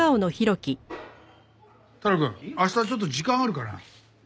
太郎くん明日ちょっと時間あるかな？